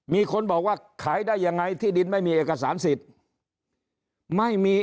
มีคนบอกว่าขายได้ยังไงที่ดินไม่มีเอกสารสิทธิ์ไม่มี